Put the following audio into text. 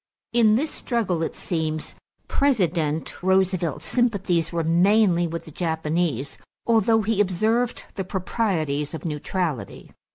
In this struggle, it seems, President Roosevelt's sympathies were mainly with the Japanese, although he observed the proprieties of neutrality.